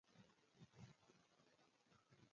ګډه هڅه د لویو ډلو د همکارۍ بنسټ دی.